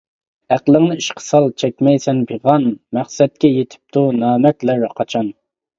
ئەقلىڭنى ئىشقا سال چەكمەيسەن پىغان، مەقسەتكە يىتىپتۇ نامەردلەر قاچان.